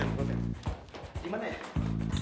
iya ball pen ball pen